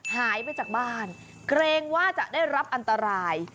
หายไปจากบ้านเกรงว่าจะได้รับอันตราย